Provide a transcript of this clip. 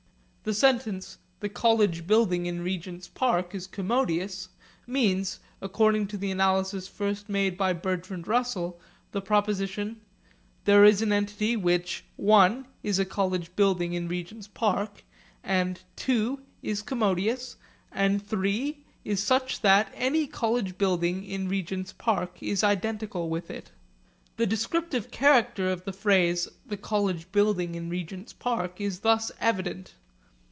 The sentence 'The college building in Regent's Park is commodious' means, according to the analysis first made by Bertrand Russell, the proposition, 'There is an entity which (i) is a college building in Regent's Park and (ii) is commodious and (iii) is such that any college building in Regent's Park is identical with it.' The descriptive character of the phrase 'The college building in Regent's Park' is thus evident.